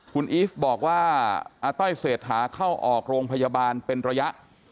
คุณอีฟบอกว่าอาต้อยเศรษฐาเข้าออกโรงพยาบาลเป็นระยะ